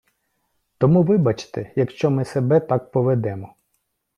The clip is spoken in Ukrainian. Тому, вибачте, якщо ми себе так поведемо.